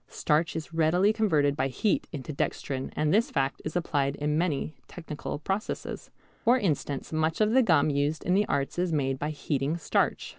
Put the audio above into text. Starch is readily converted by heat into dextrin, and this fact is applied in many technical processes. For instance much of the gum used in the arts is made by heating starch.